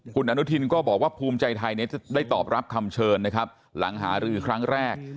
คุณอนุทินก็บอกว่าภูมิใจไทยจะได้ตอบรับคำเชิญนะครับหลังหารือครั้งแรก